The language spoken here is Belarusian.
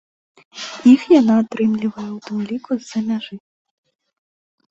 Іх яна атрымлівае ў тым ліку з-за мяжы.